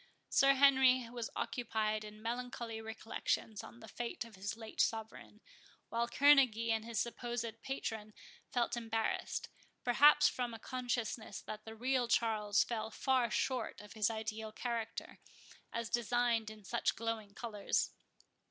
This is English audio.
Sir Henry was occupied in melancholy recollections on the fate of his late sovereign, while Kerneguy and his supposed patron felt embarrassed, perhaps from a consciousness that the real Charles fell far short of his ideal character, as designed in such glowing colours.